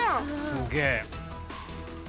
すげえ。